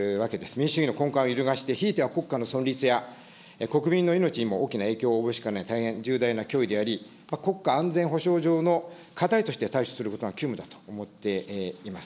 民主主義の根幹を揺るがして、ひいては存立や国民の命にも大きな影響を及ぼしかねない大変重要な脅威であり、国家安全保障情報の課題として対処することが急務だと思っています。